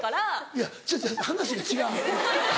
いや違う違う話が違う。